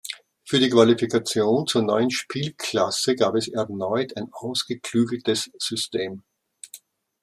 Für die Qualifikation zur neuen Spielklasse gab es erneut ein ausgeklügeltes System.